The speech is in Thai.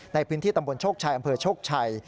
ในพื้นที่ตำบลโชคชัยอำเภอโชคชัย